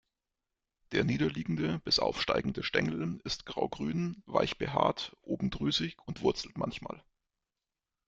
Der niederliegende bis aufsteigende Stängel ist graugrün, weich behaart, oben drüsig und wurzelt manchmal.